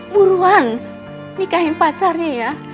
buruan nikahin pacarnya ya